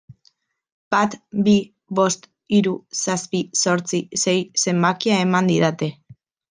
Bat bi bost hiru zazpi zortzi sei zenbakia eman didate.